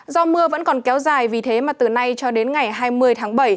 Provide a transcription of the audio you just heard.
do mưa vẫn còn kéo dài vì thế mà từ nay cho đến ngày hai mươi tháng bảy